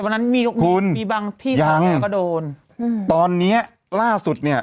แต่วันนั้นมีบางที่เขาก็โดนคุณยังตอนนี้ล่าสุดเนี่ย